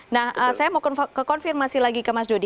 nah saya mau konfirmasi lagi ke mas dodi